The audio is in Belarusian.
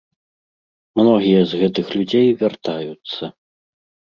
Многія з гэтых людзей вяртаюцца.